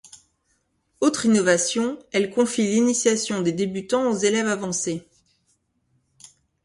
Autre innovation, elle confie l'initiation des débutants aux élèves avancés.